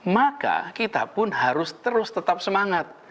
maka kita pun harus terus tetap semangat